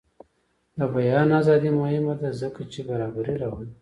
د بیان ازادي مهمه ده ځکه چې برابري راولي.